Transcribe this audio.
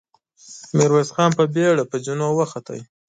ميرويس خان په بېړه پر زينو وخوت.